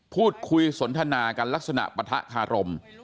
พูดคุยสนทนากันลักษณะปะทะคารม